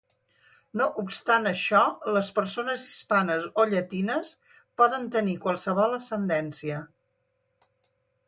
No obstant això, les persones hispanes o llatines poden tenir qualsevol ascendència.